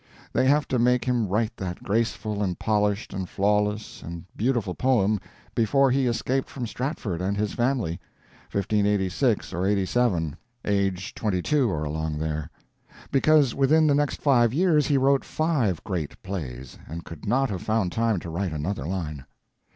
They have to make him write that graceful and polished and flawless and beautiful poem before he escaped from Stratford and his family—1586 or '87—age, twenty two, or along there; because within the next five years he wrote five great plays, and could not have found time to write another line.